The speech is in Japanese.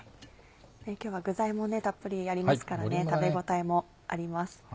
今日は具材もたっぷりありますからね食べ応えもあります。